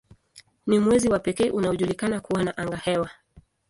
Ni mwezi wa pekee unaojulikana kuwa na angahewa.